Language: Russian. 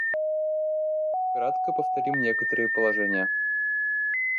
Кратко повторим некоторые положения.